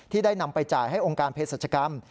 ที่ได้นำไปจ่ายให้องค์การเพศสัตว์ชะกรรม